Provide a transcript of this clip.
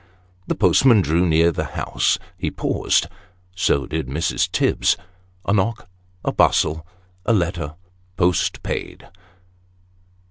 The postman drew near the house. He paused so did Mrs. Tibbs. A knock a bustle a letter post paid.